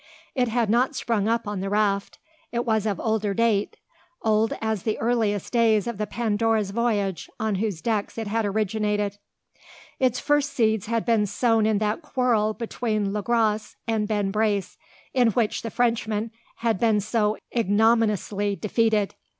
It had not sprung up on the raft. It was of older date old as the earliest days of the Pandora's voyage, on whose decks it had originated. Its first seeds had been sown in that quarrel between Le Gros and Ben Brace, in which the Frenchman had been so ignominiously defeated.